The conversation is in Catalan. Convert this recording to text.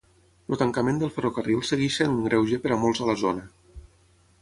El tancament del ferrocarril segueix sent un greuge per a molts a la zona.